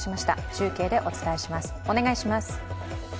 中継でお伝えします。